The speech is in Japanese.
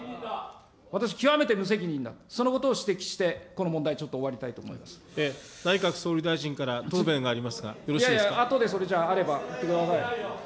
私、極めて無責任だ、そのことを指摘して、この問題ちょっと終わりた内閣総理大臣から、答弁があいやいや、あとでそれ、あれば、言ってください。